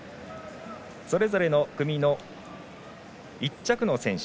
それぞれの組の１着の選手